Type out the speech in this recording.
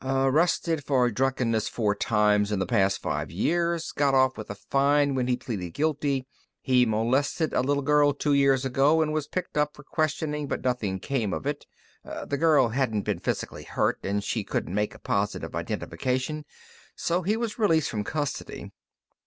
"Arrested for drunkenness four times in the past five years, got off with a fine when he pleaded guilty. He molested a little girl two years ago and was picked up for questioning, but nothing came of it. The girl hadn't been physically hurt, and she couldn't make a positive identification, so he was released from custody.